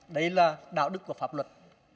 đấy là đạo đức của pháp luật